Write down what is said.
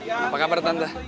apa kabar tante